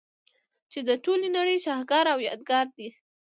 چي د ټولي نړۍ شهکار او يادګار دئ.